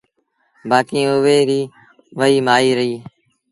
بآڪيٚݩ اُئي ريٚ وهي مآئيٚ رهيٚ